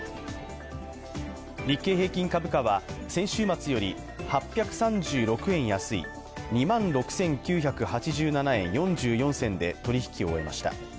日経平均株価は先週末より８３６円安い２万６９８７円４４銭で取り引きを終えました。